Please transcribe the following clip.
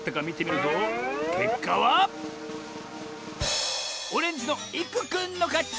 けっかはオレンジのいくくんのかち！